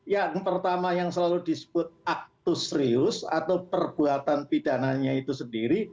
yang pertama yang selalu disebut aktus serius atau perbuatan pidananya itu sendiri